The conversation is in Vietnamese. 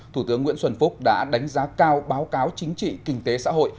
thủ tướng nguyễn xuân phúc đã đánh giá cao báo cáo chính trị kinh tế xã hội